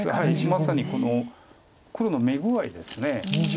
まさにこの黒の眼具合です。